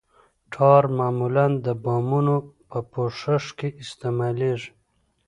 ټار معمولاً د بامونو په پوښښ کې استعمالیږي